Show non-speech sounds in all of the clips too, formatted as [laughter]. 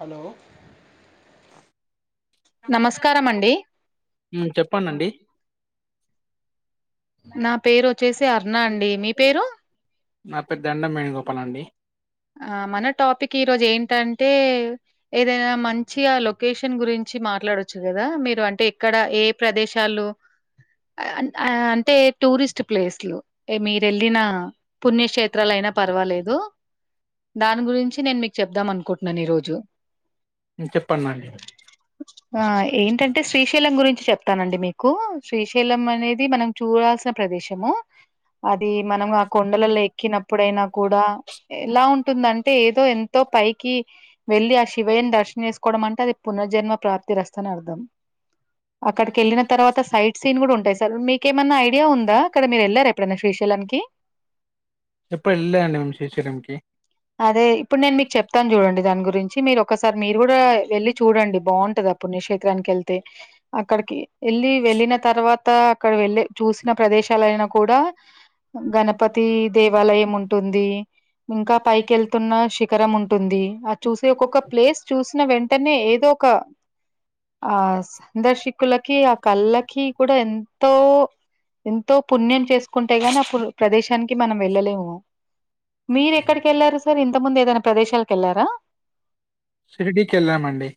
Hello నమస్కారం అండి హ్మ్. చెప్పండండి. నా పేరు వచ్చేసి అరుణ అండి మీ పేరు నా పేరు దండంమెగో పనండి ఆ మన టాపిక్ ఈరోజు ఏంటంటే ఏదైనా మంచిగ ఆ లొకేషన్ గురించి మాట్లాడొచ్చు కదా మీరు అంటే ఇక్కడ ఏ ప్రదేశాలు అంటే టూరిస్ట్ ప్లేస్లు మీరు వెళ్ళిన పుణ్యక్షేత్రాలు అయిన పర్వాలేదు దాని గురించి నేను మీకు చెప్దాం అనుకుంటున్నాను ఈ రోజు హ్మ్. చెప్పండండి. ఆ ఏంటంటే శ్రీశైలం గురించి చెప్తానండి మీకు శ్రీశైలం అనేది మనం చూడాల్సిన ప్రదేశము అది మనం ఆ కొండలలో ఎక్కినప్పుడైనా కూడా ఎలా ఉం ఉంటుందంటే ఏదో ఎంతో పైకి వెళ్ళి ఆ శివయ్యని దర్శనం చేసుకోవడం అంటే అది పునర్జన్మ ప్రాప్తిరస్తా అని అర్థం అక్కడికి వెళ్ళిన తర్వాత సైట్ సీన్ కూడా ఉంటాయి సార్ మీకేమన్నా ఐడియా ఉంద అక్కడ మీరు వెళ్లారు ఎప్పుడైనా శ్రీశైలానికి ఎప్పుడు ఎళ్ళలేదండి మేము శ్రీశైలంకి. అదే ఇప్పుడు నేను మీకు చెప్తాను చూడండి దాని గురించి మీరు ఒకసారి మీరు కూడా వెళ్ళి చూడండి బాగుంటది ఆ పుణ్యక్షేత్రానికి వెళ్తే అక్కడికి వెళ్ళి వెళ్ళిన తర్వాత అక్కడ వెళ్ళ చూసిన ప్రదేశాలయినా కూడ గణపతి దేవాలయం ఉంటుంది ఇంకా పైకి కెళ్తున్న శిఖరం ఉంటుంది ఆ చూసి ఒక్కొక్క ప్లేస్ చూసిన వెంటనే ఏదో ఒక ఆ సందర్శికులకి ఆ కళ్ళకి కూడ ఎ తో ఎంతో పుణ్యం చేసుకుంటేగని ఆ ప్రదేశం తనికి మనం వెళ్ళలేము. మీరు ఎక్కడికి వెల్లారు సార్? ఇంత ముందు ఏదైనా ప్రదేశాలకు వెళ్లారా? షిర్డీ కి వెళ్ళామండి.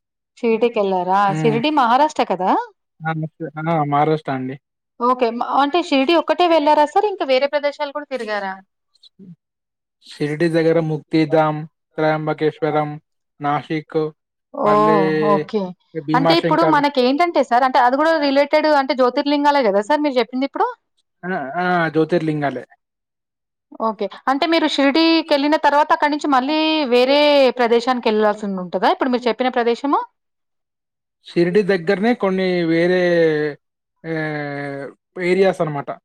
ఎల్లారా షిర్డీ మహారాష్ట్ర కదా. [unintelligible] మారస్తా అండి ఓకే అంటే షిర్డీ ఒకటే వెళ్లారా సార్ ఇంకా వేరే ప్రదేశాలు కూడా తిరిగారా? షిర్డీ జగరము తీదాం త్రయాంబకేశ్వరం నాసిక్ ఓ మళ్ళీ ఓకే అంటే ఇప్పుడు భీమాశంకర్ మనకి ఏంటంటే సార్ అంటే అ అది కూడా రిలేటెడ్ అంటే జ్యోతిర్లింగాలే కదా సార్ మీరు చెప్పింది ఇప్పుడు. అ ఆ జ్యోతిర్లింగలే ఓకే అంటే మీరు షిర్డికి వెళ్ళిన తర్వాత అక్కడి ను మళ్ళీ వేరే ప్రదేశానికి వెళ్ళాల్సి ఉంటుందా. ఇప్పుడు మీరు చెప్పిన ప్రదేశము షిర్డీ దగ్గరనే కొన్ని వేరే యావ్ ఇప్పుడు ఏర్యాస్ అనమాటా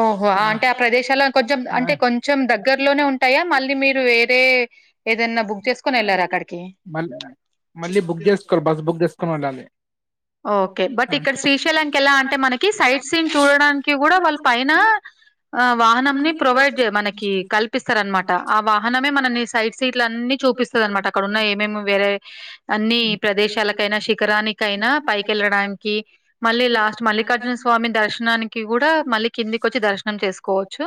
ఓహో అంటే ఆ ప్రదేశల్లో కొంచెం ఆ! అంటే కొంచెం దగ్గరలోనే ఉంటాయా. మళ్ళీ మీరు వేరే ఏదన్న బు [unintelligible] మళ్ మళ్ళీ బుక్ చేసుకో బస్ బుక్ చేసుకుని ఉండాలి. ఓకే బట్ ఇక్కడ శ్రీశైలంనికి ఎలా అంటే మనకి సైట్ సీన్ చూడడానికి కూడా వాళ్ళు పైన ఆ వాహనం ని ప్రొవైడ్ మనకి కల్పిస్తారనమాట. ఆ వాహనమే మనల్ని సైట్ సీట్లన్ని చూపిస్తుంది అనమాట అక్కడన్న ఏమేమి వేరే అన్ని ప్రదేశాలకైనా, శిఖరానికైనా కి వెళ్ళడానికి మళ్ళీ లాస్ట్ మల్లికార్జున స్వామి దర్శనానికి కూడా మళ్ళీ కిందికి వచ్చి దర్శనం చేసుకోవచ్చు.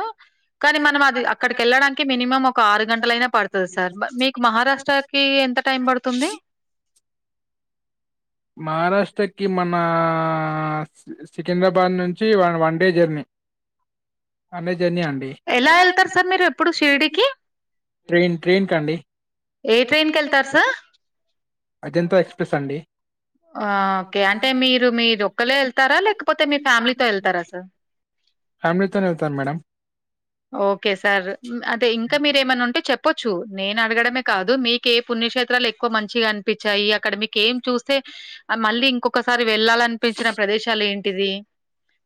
కానీ మనం అది అక్కడిక వెళ్ళడానికి మినిమం ఒక ఆరు గంటల అయినా పడుతుంది సార్ మీ మహారాష్ట్రకి ఎంత టైం పడుతుంది? మహారాష్ట్రకి మనా సికింద్రాబాద్ నుంచి ఒన్ ఒన్ వండే జెర్నీ ఎలా వెళ్తార్ సార్ మీరేప్పుడు షిర్డికి ట్రైన్ ట్రైన్ కండి. ఏ ట్రైన్ కెళ్తారు సార్. అజంత ఎక్స్ప్రెస్ అండి. ఆ ఓకే అంటే మీరు మీరు ఒక్కల్లే వెళ్తారా లేకపోతే మీ ఫ్యామిలీతో వెళ్తారా సార్ ఫ్యామిలీతోనేల్తాను మేడమ్ ఓకే సార్ అంటే ఇంకా మీరేమన్నా ఉంటే చెప్పొచ్చు నేను అడగడమే కాదు మీకే పుణ్యక్షేత్రాలు ఎక్కువ మంచిగా అనిపించాయి అక్కడ మీక ఏం చూస్తే మళ్ళీ ఇంకొకసారి వెళ్ళాలనిపించిన ప్రదేశాలు ఏంటిది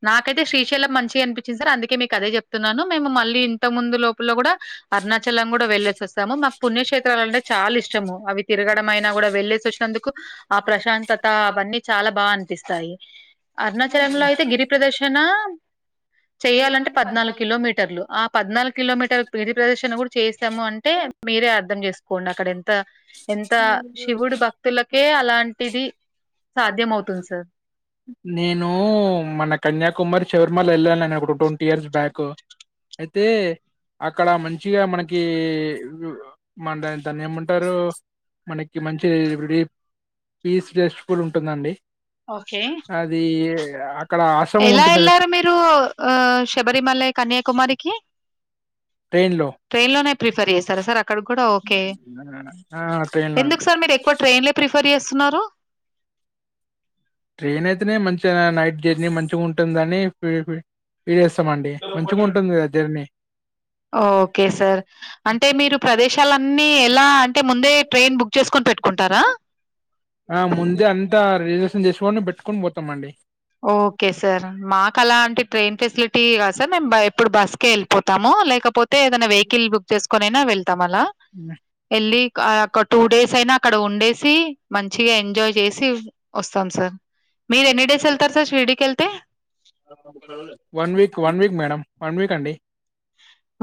నాకైతే శ్రీశైలం మంచిగా అనిపి సర్ అందుకే మీకదే చెప్తున్నాను. మేము మళ్ళీ ఇంత ముందు లోపల కూడా అరుణాచలం కూడా వెళ్ళేసి వస్తాము మాకు పుణ్యక్షేత్రాలు అంటే చాలా ఇష్టము అవి తిరగడం అయినా కూడా వెళ్ళేసి వచ్చినందుకు ఆ ప్రశాంతత అవన్నీ చాలా బాగా అనిపిస్తాయి అరుణాచలంలో అయితే గిరి ప్రదర్శన చెయ్యాలంటే పద్నాలుగు కిలోమీటర్ టర్లు ఆ పద్నాలుగు కిలోమీటర్ల గిరి ప్రదర్శన కూడా చేసాము అంటే మీరే అర్థం చేసుకోండి అక్కడ ఎంత ఎంత శివుడు భక్తులకే అలాంటిది సాధ్యమవుతుంది సార్ నేను మన కన్యాకుమారి శబరిమల వెళ్ళాల నేను ఒక ట్వంటీ ఇయర్స్ బ్యాక్ అయితే అక్కడ మంచిగా మనకి మన ద దాన్ని ఏమంటారు మనకి మంచి పీ పీజ్ టెస్ట్ కూడా ఉంటుందండి. ఓకే అదియే [unintelligible] ఎలా వెళ్లారు మీరు ఆ శబరిమలై కన్యాకుమారికి ట్రైన్ లో ట్రైన్ లోనే ప్రిఫర్ చేస్తారా సార్ అక్కడ కూడా ఓకే ట్రైన్ ఎందుకు లో సార్ మీరు ఎక్కువ ట్రైన్లే ప్రిఫర్ చేస్తున్నారు. ట్రైన్ అయితేనే మంచిగా నైట్ జర్నీ మంచిగా ఉంటుందని P P journey okay sir అంటే మీరు ప్రదేశాలన్నీ ఎలా అంటే ముందే ట్రైన్ బుక్ చేసుకొని పెట్టుకుంటారా ఆ ముందే అంత రిజర్వేషన్ చేసుకోని పెట్టుకుని పోతామండి. ఓకే సార్ మాకలా అంటే ట్రైన్ ఫెసిలిటీ టిగా సార్ మేము ఎప్పుడు బస్కే వెళ్ళిపోతాము లేకపోతే తే ఏదైనా వెహికల్ బుక్ చేసుకోనైనా వెళ్తాం అలా నా వీక్ ఒక టూ డేస్ అయినా అక్కడ ఉండేసి మంచిగా ఎంజాయ్ చేసి వస్తాం సార్ మీరెన్నిడేసేల్ one week one week madam one week అండి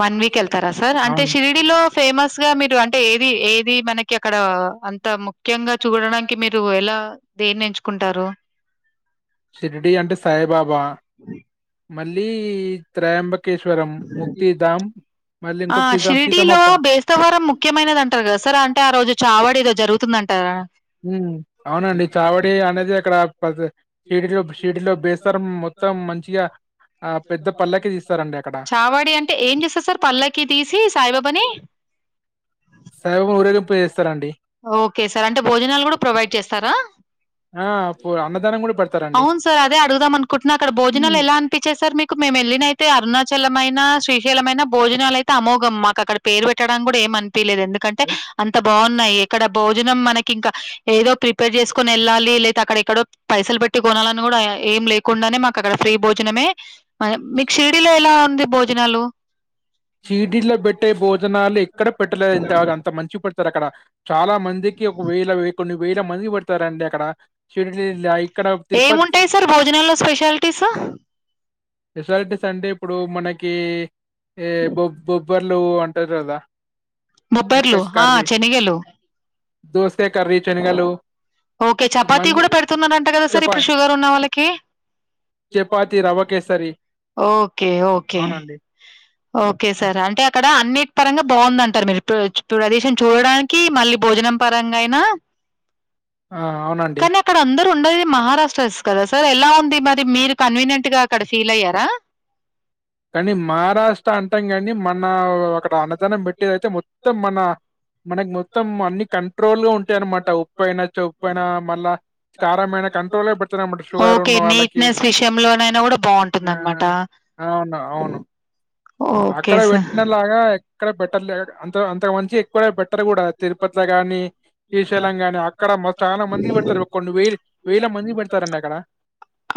వన్ వీక్ వెళ్తారా సార్ అంటే అవును షిరిడిలో ఫేమస్ గా మీరు అంటే ఏది ఏది మనకి అక్కడ అంత ముఖ్యంగా చూడడానికి మీరు ఎలా దేన్ని ఎంచుకుంటారు షిరిడి అంటే సాయిబాబా మళ్ళీ త్రేంబ మళ్ళీ ఆ ఇంకోటి సీతా సీతమ్మ షిరిడిలో పా బేస్తవర ముఖ్యమైనది అంటారు కదా సార్ అంటే ఆ రోజు చావాడ ఏదో జరుగుతుందంటారా ఉమ్ అవునండి చావడే అనేది అక్కడ ప్ర మొత్తం మంచిగా ఆ పెద్ద పల్లకి తీస్తారండి అక్కడ చావాడి అంటే ఏం చేస్తారు సార్ పల్లకి తీసి సాయిబాబని సాయిబాబా ఊరేగింపు చేస్తారండి ఓకే సార్ అంటే భోజనాలు కూడా ప్రొవైడ్ చేస్తారా ఆ పో అన్నదానం కూడా పెడ్ అవును సార్ అదే అడుగుదాం అనుకుంటున్నా అక్కడ భోజనాలు ఎలా అనిపించెస్ సార్ మీకు మేము వెళ్ళినయితే అరుణాచలమైన శ్రీశైలమైన భోజనాలు అయితే అమోఘం మాకు అక్కడ పేరు పెట్టడానికి కూడా ఏమన్ టీ లేదు ఎందుకంటే అంత భా ఉన్నాయి ఇక్కడ భోజనం మనకి ఇంకా ఏదో ప్రిపేర్ చేసుకొని వెళ్ళాలి లేదా అక్కడ ఎక్కడో పైసల్ పెట్టి కొనాలన్న కూడా ఏం లేకుండానే మాకు అక్కడ ఫ్రీ భోజనమే మాకేం. మీకు షిరిడీలో ఎలా ఉంది భోజనాలు చీటిలో పెట్టే భోజనాలు ఎక్కడ పెట్టలేదు ఇంతగా అంత మంచి పెడు తారు అక్కడ చాలా మందికి ఒక వేల కొన్ని వేల మందికి పెడతారండి అక్కడ షిరిడీలో ఇక్కడ తిరుపతి ఏముంటాయి సార్ భోజనంలో స్పెషాలిటీస్ స్పెషాలిటీస్ అంటే ఇప్పుడు మన కే కదా బొబ్బర్లు ఆహా కర్రీ శనగలు దోసకాయ కర్రీ శనగలు చపాతీ మళ్ళీ కూడా పెడుతున్నరంట కదా సార్ చపా ఇప్పుడు షుగర్ ఉన్న చపాతి రవ్వ కేసరి ఓకే ఓకే అవునండి ఓకే సార్ అంటే అక్కడ అన్నిట్ పరంగ బాగుందంటారు మీరు ఇప్పుడు చు ప్రదేశం చూడడానికి మళ్ళీ భోజనం పరంగా అయినా ఆ అవునండి ఉండది మహారాష్ట్ర కదా సార్ ఎలా ఉంది మరి మీరు కన్వీనియంట్ గా అక్కడ ఫీల్ అయ్యారా కానీ మహారాష్ట్ర టంగాని ము మన్నా ఓ ఒకట అన్నదనం పేట్టి అయితే మొ మొత్తం మన మనక్ మొత్తం అన్ని కన్ కంట్రోల్గ ఉంటయి అనమాట ఉప్పుయినా చెప్పుయినా మళ్ళా కారమైన కంట్రోల్ గ పెడుతు న్నమాట షుగర్ ఓకే. ఉన్న వాళ్ళకి నీట్‌నెస్ విషయంలోనైనా గూడా బావుంటుందనమాట. ఆ వున్నా అవును ఓకే అక్కడ పెట్టిన లాగా ఎక్కడ పెట్ తలేక అం త [unintelligible] మంచి ఎక్కువ పెట్టరు కూడా తిరుపత గాని శ్రీశైలం గాని అక్కడ మో చాలా మందికి పెడతారు ఒక కొన్ని వేలు వేల మంది పెడతారండి అక్కడ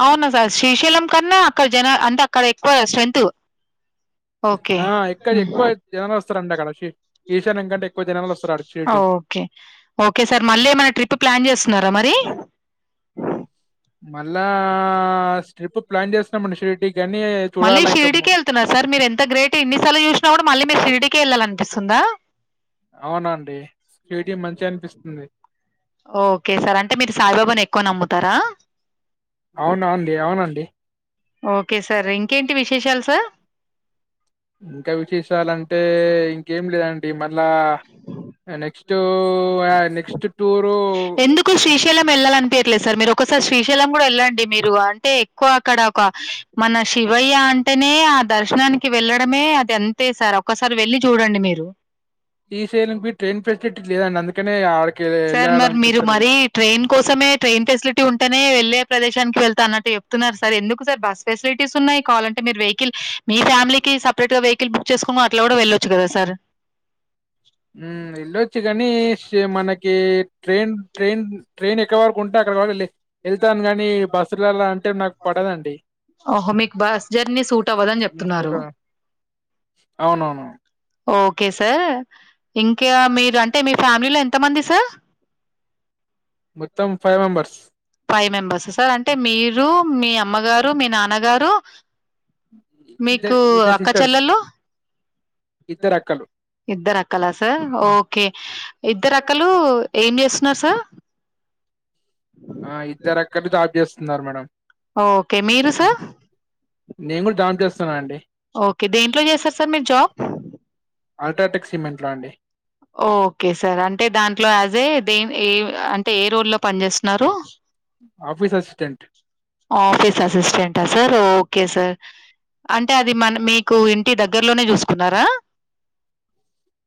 అవునా సార్ శ్రీశైలం కన్నా అక్కడ జనా అన్ అక్కడ ఎక్కువ స్ట్రెంతు ఓకే ఆ ఎక్కడ హ్మ్. ఎక్కువ జనాలు వస్ వస్తారండి అక్కడ షి ఓకే ఓకే సార్ మళ్ళీ ఏమైనా ట్రిప్ ప్లాన్ చేస్తున్నారా మరి మళ్ళా ట్రిప్ ప్లాన్ చేస్తున్నామండీ షిరిడికి మళ్ళీ షిర్డి కె ఎళ్తున్నారు సార్ మీరు ఎంత గ్రేట్ ఇన్ని సార్లు చూసినా కూడా మళ్ళీ మీరు షిరిడి ఇంటికే వెళ్ళాల అనిపిస్తుందా అవునా అండి షిరిడి మంచిగా అనిపిస్తుంది ఓకే సార్ అంటే మీరు సాయిబాబాని ఎక్కువ నమ్ము టరా అవునా అండి అవునండి ఓకే సార్ ఇంకేంటి విశేషాలు సార్ అంటే ఇంకేం లేదండి మళ్ళా నెక్స్ట్ నెక్స్ట్ టూరు లేదు సార్ మీరు ఒకసారి శ్రీశైలం కూడా వెళ్ళండి మీరు అంటే ఎక్కువ అక్కడ ఒక మన శివయ్య అంటేనే ఆ దర్శనానికి వెళ్ళడమే అది అంతే సార్ ఒక్కసారి వెళ్ళి చూడండి మీరు శ్రీశైలం కి ట్రైన్ ఫెసిలిటీ లేదండి అందుకనే ఆడకి సార్ మరి మీరు మరి ట్రైన్ కోసమే ట్రైన్ ఫెసిలిటీ ఉంటేనే వెళ్ తె ప్రదేశానికి వెళ్తా అన్నటు చెప్తున్నారు సార్ ఎందుకు సార్ బస్ ఫెసిలిటీ న్నాయి కావాలంటే మీరు వెహికల్ మీ ఫ్యామిలీకి సపరేట్ గా వెహి కిల్ బుక్ చేసుకుని అట్లా కూడా వెళ్ళొచ్చు కదా సార్ హ్మ్మ్ వెళ్లొచ్చు గానీ ఇక మనకి ట్రైన్ ట్రైన్ ట్రైన్ ఎక్కడివరకు ఉంటే అక్కడ వరకు వె వెళ్తాను కానీ బస్సులల్లో అంటే నాకు పడదండి ఓహో! మీకు బస్ జర్నీ సూట్ అవ్వదని జెప్తున్నారు. అవునవును ఓకే సార్ ఇంకా మీరు అంటే మీ ఫ్యామిలీలో ఎం ఎంతమంది సార్ మొత్తం five members five members sir అంటే మీరు మీ అమ్మగారు మీ నాన్నగారు ఇద్దరు మీకు అక్క చెల్లెలు ఇద్దరుక్కలు క్కల సార్ ఓకే ఇద్దరు అక్కలు ఏం చేస్తు నాస ఆ ఇద్దరు అక్కలు తాప్ చేస్తున్నారు మేడం ఓకే మీరు సార్ న అండి ఓకే దేంట్లో చేస్తారు సార్ మీరు జాబ్ అల్ట్రాటెక్ సిమెంట్ లో అండి ఓకే సార్ అంటే దాంట్లో యాజ్ ఏ దే ఏ అంటే ఏ రోల్ల్లో పని చేస్తున్నారు office assistant office assistant sir okay sir అంటే అది మన మీకు దగ్గర్లోనే చూసుకున్నారా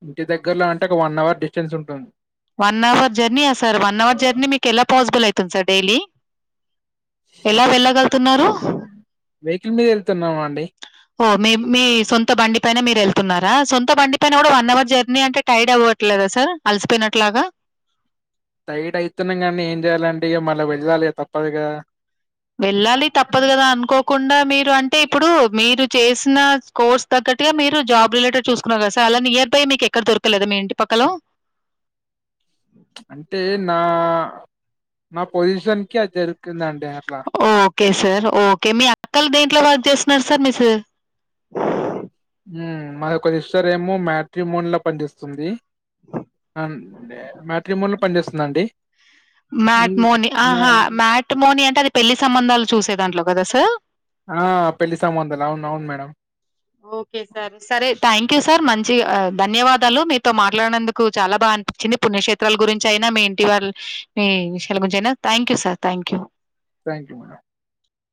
ఇంటి దగ్గరలో అంటే ఒక వన్ అవర్ డిస్టెన్స్ ఉంటుంది వన్ అవర్ జర్నీయా సార్ వన్ అవర్ జర్నీ మీకుక ఎలా పాసిబుల్ యితు తుమ్ డైలీ ఎలా వెళ్ళగలుగుతున్నారు వెహికల్ మీద వెళ్తున్నామా అండి ఓ మి మీ సొంత బడి పైన మీరు వెళ్తున్నారా సొంత బండి పైన కూడా వన్ అవర్ జర్నీ అంటే టైర్డ్ అవ్వట్లేదా సార్ అలసిపోయినట్లాగా టైడ్ అవుతున్నాం కాగానీ ఏం చేయాలంటే ఇంటి మళ్ళీ వెళ్దాలి తప్పదుగా వెళ్ళాలి తప్పదు కదా అనుకోకుండా మీరు అంటే ఇప్పుడు మీరు చేసిన కోర్స్ తగ్గగా మీరు జాబ్ రిలేె చూసుకున్నారు కద స అ నియర్ బై మీకుక్కడ దొకు పక్కలేదా మీ ఇంటి పక్కల అంటే నా నా పొజిషన్ కి అది జరుగుందండి అట్లా ఓకే సార్ ఓకే మీ అక్కలు దేంట్లో వర్క్ చేస్తున్నారు సార్ మీ స ఉహ్మ్ మాదోక సిష్టార్ ఏమో మ్యాట్రిమొన్లా పన్దేస్తుంది. అమ్మ్ మ్యాట్రిమొన్ల పనిచేస్తుందండి. మ్యాట్ మోని ఆహా మ్యాట్రీ మోని అంటే అది. పెళ్లి సంబంధాలు చూసే దాంట్లో వద సా ఆ పెళ్లి సంమందల్ అవును అవును మేడం. ఓకే సార్ సరే థ్యాంక్ యూ సార్ మం చి ఆహ్ ధన్యవాదాలు మీతో మాట్లాడినందుకు చాలా బాగా అనిపించింది. పుణ్యక్షేత్రాల గురించి అయినా మీ ఇంటి వాళ్ మీ విషయాల గురించి అయినా. Thank you sir, thank you. Thank you madam.